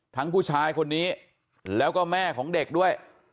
ผู้ชายคนนี้แล้วก็แม่ของเด็กด้วย